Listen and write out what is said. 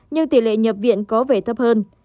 nhưng tỷ lệ nhập viện có vẻ thấp hơn